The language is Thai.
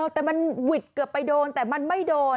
แต่มันหวิดเกือบไปโดนแต่มันไม่โดน